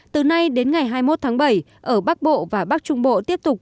từ nay đến ngày hai mươi một tháng bảy ở bắc bộ và bắc trung bộ tiếp tục